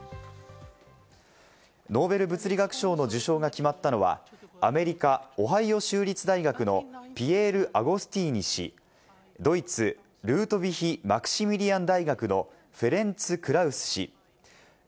ノーベル物理学賞の受賞が決まったのは、アメリカ・オハイオ州立大学のピエール・アゴスティーニ氏、ドイツ・ルートヴィヒ・マクシミリアン大学のフェレンツ・クラウス氏。